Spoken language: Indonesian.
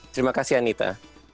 terima kasih anita